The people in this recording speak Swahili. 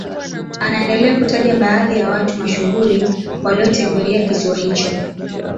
Anaendelea kutaja baadhi ya watu mashuhuri waliotembelea kisiwa hicho